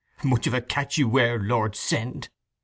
Much of a catch you were, Lord send!"